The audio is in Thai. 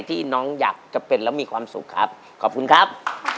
ที่น้องอยากจะเป็นแล้วมีความสุขครับขอบคุณครับ